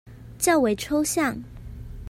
較為抽象